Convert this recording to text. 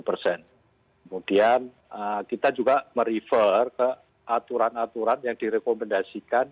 kemudian kita juga merefer ke aturan aturan yang direkomendasikan